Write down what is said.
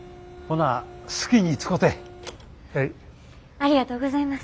ありがとうございます。